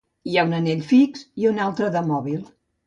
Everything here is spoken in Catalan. Hi ha un anell fix i un altre de mòbil.